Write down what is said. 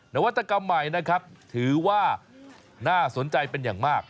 นวัตกรรมใหม่นะครับถือว่าน่าสนใจเป็นอย่างมาก